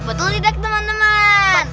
betul tidak teman teman